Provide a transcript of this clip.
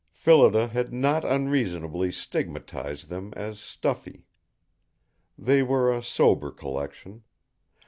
Phillida had not unreasonably stigmatized them as stuffy. They were a sober collection.